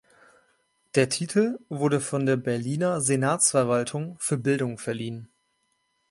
Der Titel wurde von der Berliner Senatsverwaltung für Bildung verliehen.